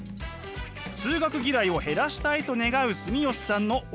数学嫌いを減らしたいと願う住吉さんのお悩みとは？